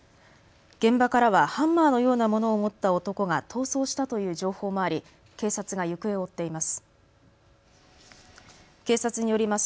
現場からはハンマーのようなものを持った男が逃走したという情報もあり警察が行方を追っています。